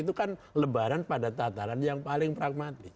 itu kan lebaran pada tataran yang paling pragmatis